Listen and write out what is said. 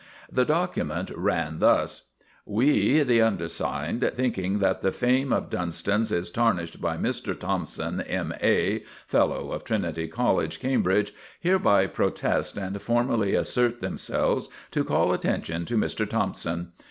The document ran thus: "We, the undersigned, thinking that the fame of Dunston's is tarnished by Mr. Thompson, M.A., Fellow of Trinity College, Camb., hereby protest, and formally assert themselves to call attention to Mr. Thompson.